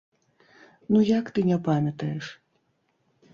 Ну як ты не памятаеш?!